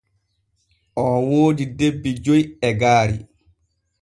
Oo woodi debbi joy e gaari.